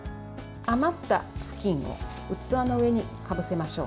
余った布巾を器の上にかぶせましょう。